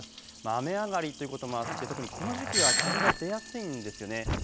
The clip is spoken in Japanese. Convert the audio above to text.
雨上がりということもあって特にこの時期は霧が出やすいんですよね。